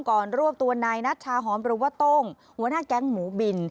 รวบตัวนายนัชชาหอมหรือว่าโต้งหัวหน้าแก๊งหมูบิน